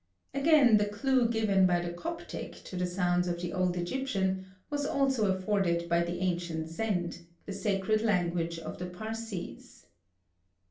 Again, the clew given by the Coptic to the sounds of the old Egyptian, was also afforded by the ancient Zend, the sacred language of the Parsees.